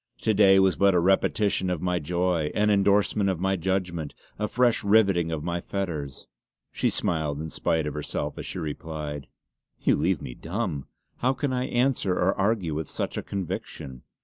To day was but a repetition of my joy; an endorsement of my judgment; a fresh rivetting of my fetters!" She smiled in spite of herself as she replied: "You leave me dumb. How can I answer or argue with such a conviction."